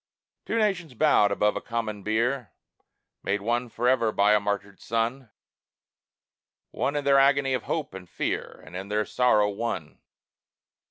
Two nations bowed above a common bier, Made one forever by a martyred son One in their agony of hope and fear, And in their sorrow one.